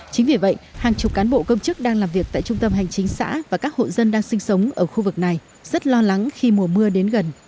chính vì vậy hàng chục cán bộ công chức đang làm việc tại trung tâm hành chính xã và các hộ dân đang sinh sống ở khu vực này rất lo lắng khi mùa mưa đến gần